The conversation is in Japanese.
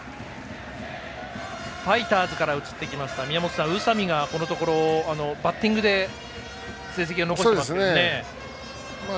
ファイターズから移ってきました宇佐見がこのところバッティングで成績を残していますね。